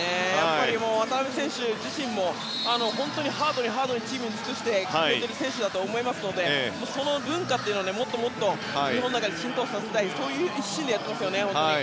渡邊選手自身もしっかりハードにチームに尽くしてきてくれている選手だと思いますのでその文化をもっともっと日本の中に浸透させたいという一心でやっていますよね。